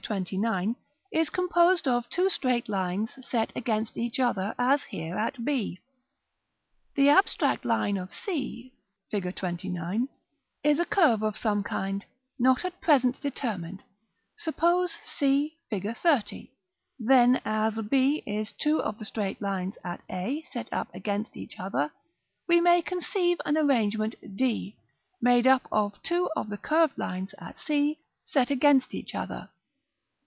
XXIX., is composed of two straight lines, set against each other, as here at b. The abstract line of C, Fig. XXIX., is a curve of some kind, not at present determined, suppose c, Fig. XXX. Then, as b is two of the straight lines at a, set up against each other, we may conceive an arrangement, d, made up of two of the curved lines at c, set against each other.